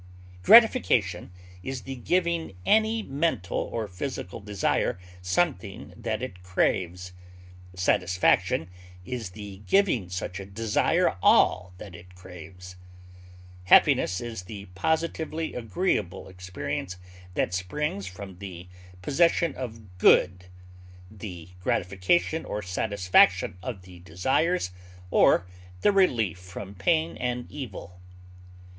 Gratification is the giving any mental or physical desire something that it craves; satisfaction is the giving such a desire all that it craves. Happiness is the positively agreeable experience that springs from the possession of good, the gratification or satisfaction of the desires or the relief from pain and evil.